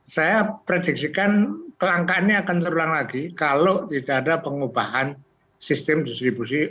saya prediksikan kelangkaannya akan terulang lagi kalau tidak ada pengubahan sistem distribusi